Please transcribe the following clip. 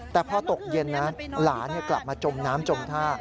แต่พอตกเย็นนะหลานกลับมาจมน้ำจมท่า